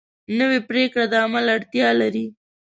نوې پریکړه د عمل اړتیا لري